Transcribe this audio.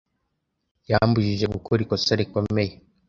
Yambujije gukora ikosa rikomeye.